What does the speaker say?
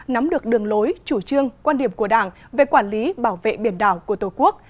nắm được đường lối chủ trương quan điểm của đảng về quản lý bảo vệ biển đảo của tổ quốc